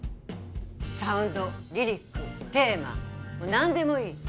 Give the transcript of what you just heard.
サウンドリリックテーマ何でもいい